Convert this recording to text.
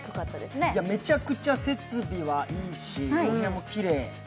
むちゃくちゃ設備もいいし、お部屋もきれい。